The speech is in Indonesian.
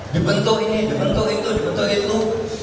dibentuk ini dibentuk itu dibentuk itu